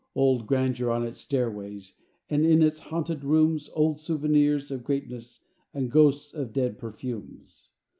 Old grandeur on its stairways; And in its haunted rooms Old souvenirs of greatness, And ghosts of dead perfumes.